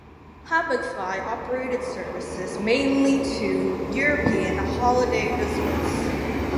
Hapagfly operated services mainly to European holiday resorts.